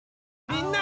みんな！